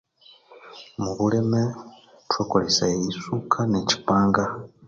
Omwabulime thukakolesaya eyisuka nekyi panga.